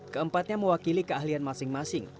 keempatnya mewakili keahlian masing masing